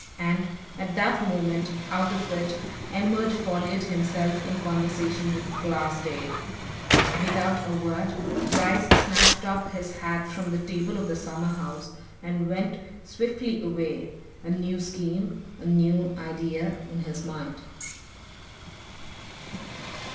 And at that moment out of it emerge Folliot himself in conversation with Glassdale! Without a word, Bryce snatched up his hat from the table of the summer house, and went swiftly away a new scheme, a new idea in his mind.